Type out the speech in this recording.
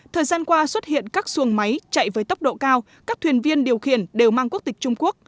thời gian qua xuất hiện các xuồng máy chạy với tốc độ cao các thuyền viên điều khiển đều mang quốc tịch trung quốc